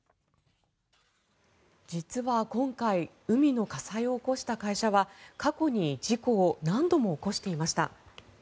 実は、今回海の火災を起こした会社は過去に事故を何度も起こしていました。